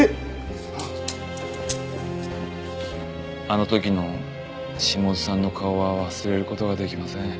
あの時の下津さんの顔は忘れる事ができません。